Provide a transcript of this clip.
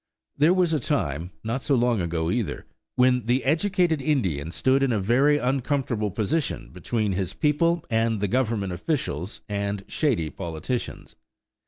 There was a time (not so long ago, either) when the educated Indian stood in a very uncomfortable position between his people and the Government officials and shady politicians.